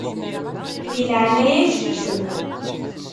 Di leɛnaya-k susem.